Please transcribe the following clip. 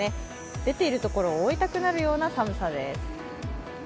出ているところを覆いたくなるような寒さです。